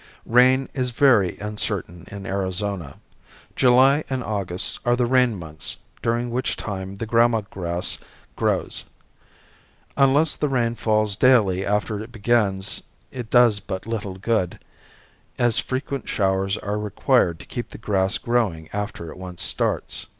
Rain is very uncertain in Arizona. July and August are the rain months during which time the gramma grass grows. Unless the rain falls daily after it begins it does but little good, as frequent showers are required to keep the grass growing after it once starts.